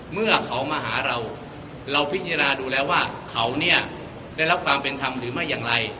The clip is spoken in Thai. เมื่อเขามาหาเราเราพิจารณาดูแล้วว่าเขาเนี่ยได้รับความเป็นธรรมหรือไม่อย่างไร